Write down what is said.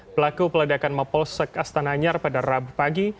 pelaku peledakan mapolsek astana nyar pada rabu pagi